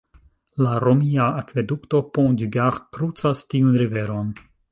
La romia akvedukto "Pont du Gard" krucas tiun riveron.